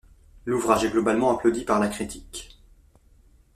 L'ouvrage est globalement applaudi par la critique.